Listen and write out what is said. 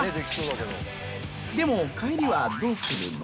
でも帰りはどうするの？